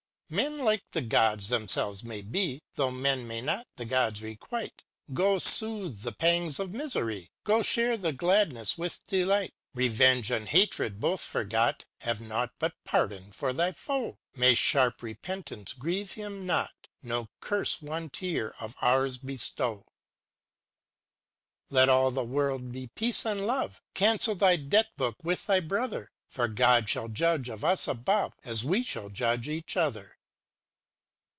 Men like the Gods themselves may be. Though men may not the Gods requite; Go soothe the pangs of Misery, Go share the gladness with delight. Revenge and hatred both forgot. Have naught but pardon for thy foe; May sharp repentance grieve him not, No curse one tear of ours bestow! Chorus â Let all the world be peace and love, Cancel thy debt book with thy brother; For God shall judge of us above. As we shall judge each other!